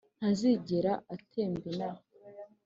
Ntazigera atemba inaha